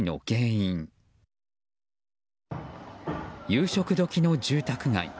夕食時の住宅街。